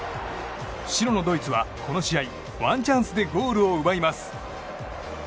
白のドイツは、この試合ワンチャンスでゴールを奪います。